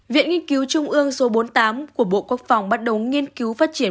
viện nghiên cứu trung ương số bốn mươi tám của bộ quốc phòng bắt đầu nghiên cứu phát triển